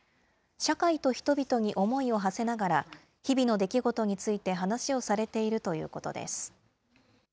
社会と人々に思いをはせながら、日々の出来事について話をされているということです。